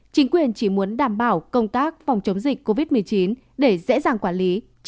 chính quyền chỉ muốn đảm bảo công tác phòng chống dịch covid một mươi chín để dễ dàng quản lý tránh lây lan dịch bệnh